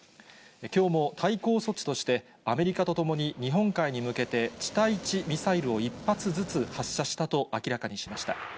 きょうも対抗措置として、アメリカとともに日本海に向けて地対地ミサイルを１発ずつ発射したと明らかにしました。